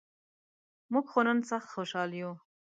مونږ خو نن سخت خوشال یوو.